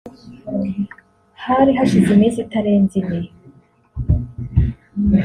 Hari hashize iminsi itarenze ine